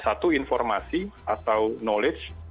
satu informasi atau knowledge